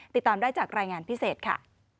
ติดตามได้จากรายงานพิเศษค่ะ